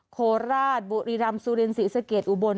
โคราชบุรีรัมซุเรนสีสะเกียจอุบล